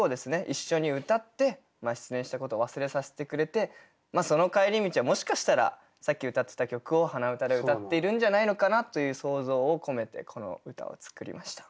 一緒に歌って失恋したことを忘れさせてくれてその帰り道はもしかしたらさっき歌ってた曲を鼻歌で歌っているんじゃないのかなという想像を込めてこの歌を作りました。